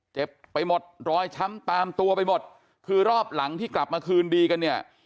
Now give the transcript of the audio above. เจ็บไปหมดรอยช้ำตามตัวไปหมดคือรอบหลังที่กลับมาคืนดีกันเนี่ย